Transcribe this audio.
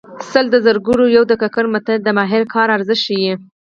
سل د زرګر یو د ګګر متل د ماهر کار ارزښت ښيي